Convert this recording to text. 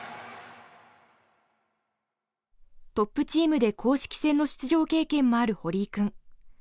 トップチームで公式戦の出場経験もある堀井君。